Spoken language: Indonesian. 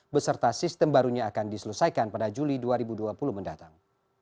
beserta sistem barunya akan diselesaikan pada juli dua ribu dua puluh mendatang